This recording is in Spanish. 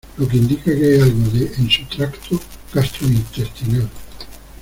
lo que indica que hay algo en su tracto gastrointestinal